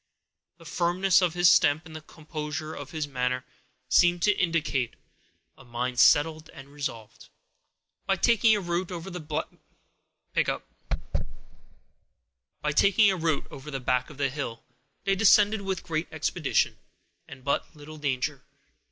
The firmness of his step, and the composure of his manner, seemed to indicate a mind settled and resolved. By taking a route over the back of the hill, they descended with great expedition, and but little danger.